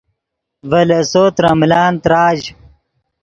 ڤے لیسو ترے ملان تراژ